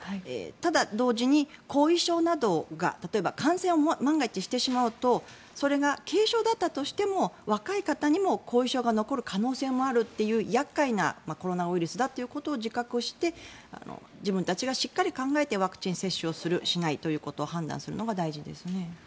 ただ、同時に後遺症などが感染を万が一にしてしまうとそれが軽症だったとしても若い方にも後遺症が残る可能性があるという厄介なコロナウイルスだと自覚して自分たちがしっかり考えてワクチン接種をする、しないの判断するのが大事ですね。